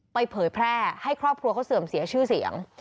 เผยแพร่ให้ครอบครัวเขาเสื่อมเสียชื่อเสียง